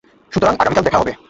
সুতরাং আগামীকাল দেখা হবে।